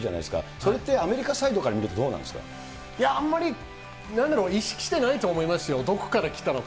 それってアメリカサイドから見るあんまりなんだろう、意識してないと思いますよ、どこから来たのか。